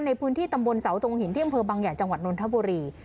ในพื้นที่ตำบลเสาทงหินที่อำเภอบางใหญ่จังหวัดนทบุรี